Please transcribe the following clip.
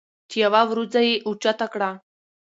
چې يوه وروځه یې اوچته کړه